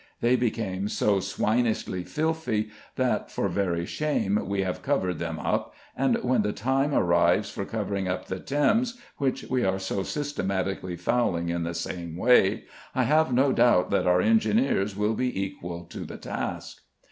They became so swinishly filthy, that for very shame we have covered them up, and when the time arrives for covering up the Thames, which we are so systematically fouling in the same way, I have no doubt that our engineers will be equal to the task.